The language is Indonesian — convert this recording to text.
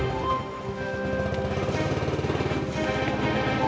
nggak apa apa lah satu tadi mau jatuh